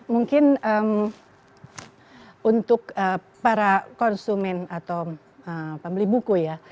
mungkin untuk para konsumen atau pembeli buku ya